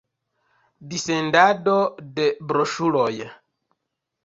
Dissendado de broŝuroj.